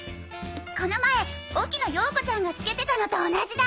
この前沖野ヨーコちゃんが着けてたのと同じだ！！